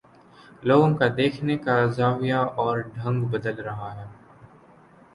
لوگوں کا دیکھنے کا زاویہ اور ڈھنگ بدل رہا ہے۔